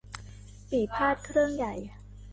ปี่พาทย์เครื่องใหญ่